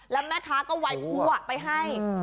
แล้วแม่ค้าก็วัยพั่วไปให้